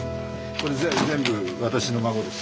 これ全部私の孫です。